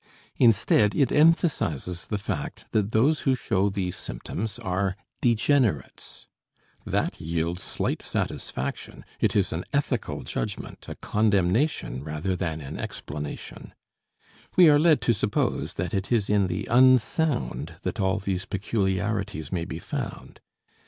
Instead it emphasizes the fact that those who show these symptoms are degenerates. That yields slight satisfaction, it is an ethical judgment, a condemnation rather than an explanation. We are led to suppose that it is in the unsound that all these peculiarities may be found.